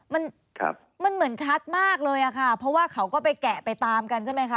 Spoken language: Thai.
มันครับมันเหมือนชัดมากเลยอะค่ะเพราะว่าเขาก็ไปแกะไปตามกันใช่ไหมคะ